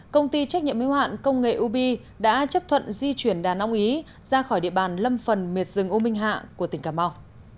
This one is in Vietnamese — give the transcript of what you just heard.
công ty trách nhiệm y hoạn công nghệ ub đã chấp thuận di chuyển đàn ông ý ra khỏi địa bàn lâm phần miệt rừng u minh hạ của tỉnh cà mau